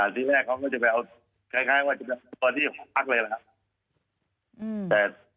ที่แรกเขาก็จะไปเอาคล้ายว่าจะเป็นตอนที่หอพักเลยนะครับ